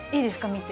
見て。